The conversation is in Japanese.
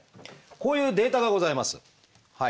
こういうデータがございます。